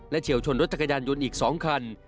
เฉียวชนรถจักรยานยนต์อีก๒คัน